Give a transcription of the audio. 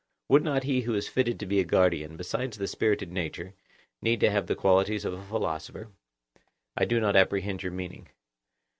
Would not he who is fitted to be a guardian, besides the spirited nature, need to have the qualities of a philosopher? I do not apprehend your meaning.